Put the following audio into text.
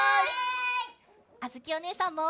あづきおねえさんも！